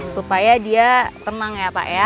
supaya dia tenang ya pak ya